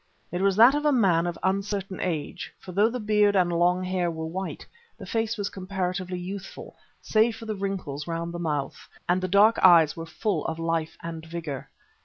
It was that of a man of uncertain age, for though the beard and long hair were white, the face was comparatively youthful, save for the wrinkles round the mouth, and the dark eyes were full of life and vigour.